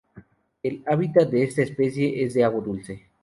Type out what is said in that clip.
El hábitat de esta especie es de agua dulce.